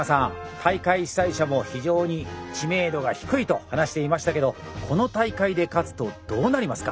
大会主催者も非常に知名度が低いと話していましたけどこの大会で勝つとどうなりますか？